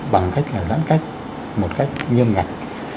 lãng cách một cách nghiêm ngặt